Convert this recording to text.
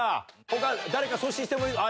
他誰か阻止してもいい。